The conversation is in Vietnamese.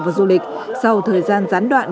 và du lịch sau thời gian gián đoạn